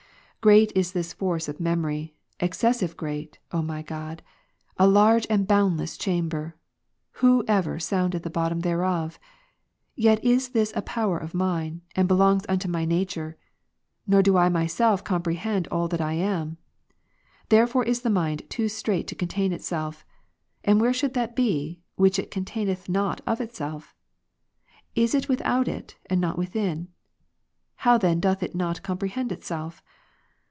15. Great is this force of memory, excessive great, O my God ; a large and boundless chamber ! who ever sounded the bottom thereof? yet is this a power of mine, and belongs unto my nature ; nor do I myself comprehend all that I am. Therefore is the mind too strait to contain itself. And where should that be, which it containeth not of itself ? Is it without it, and not within ? how then doth it not comprehend itself?